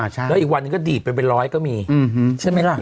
ใช่แล้วอีกวันนึงก็ดีไปไปร้อยก็มีใช่ไหมล่ะ